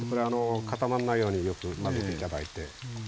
固まんないようによく混ぜて頂いて。